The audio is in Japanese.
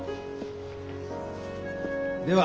では